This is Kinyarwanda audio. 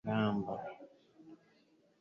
ibyo kureba (mu bwenge) inka bakaziremesha ingamba.